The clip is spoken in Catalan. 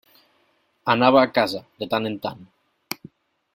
Anava a casa, de tant en tant.